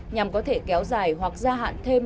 nhằm có thể kéo dài hoặc gia hạn thêm